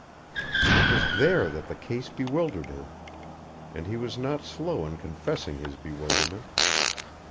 It was there that the case bewildered him and he was not slow in confessing his bewilderment.